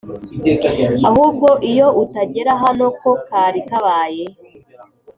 ahubwo iyo utagera hano ko kari kabaye!